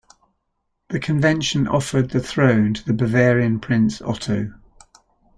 The convention offered the throne to the Bavarian Prince, Otto.